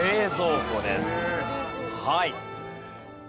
はい。